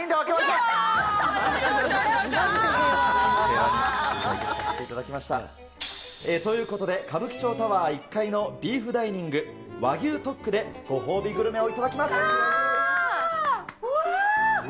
やったー！ということで、歌舞伎町タワー１階のビーフダイニング和牛特区でご褒美グルメをわー！